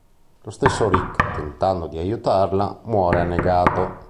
Lo stesso Rick, tentando di aiutarla, muore annegato.